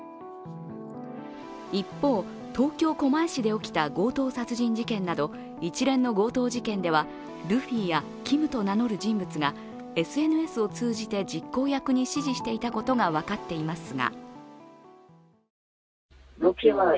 一方、東京・狛江市で起きた強盗殺人事件など一連の強盗事件ではルフィやＫｉｍと名乗る人物がＳＮＳを通じて実行役に指示していたことが分かっていますが。